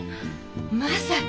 まさか。